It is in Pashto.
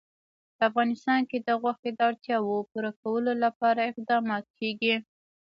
په افغانستان کې د غوښې د اړتیاوو پوره کولو لپاره اقدامات کېږي.